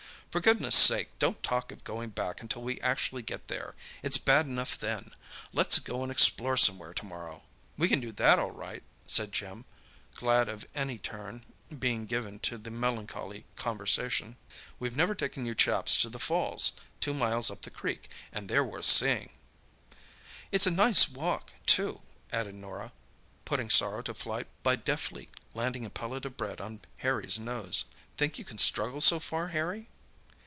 "For goodness' sake, don't talk of going back until we actually get there; it's bad enough then. Let's go and explore somewhere to morrow." "We can do that all right," said Jim, glad of any turn being given to the melancholy conversation. "We've never taken you chaps to the falls, two miles up the creek, and they're worth seeing." "It's a nice walk, too," added Norah, putting sorrow to flight by deftly landing a pellet of bread on Harry's nose. "Think you can struggle so far, Harry?"